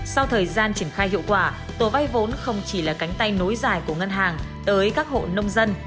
sau thời gian triển khai hiệu quả tổ vay vốn không chỉ là cánh tay nối dài của ngân hàng tới các hộ nông dân